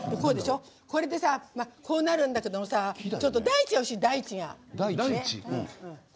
これでさ、こうなるんだけどさ大地が欲しい、大地が。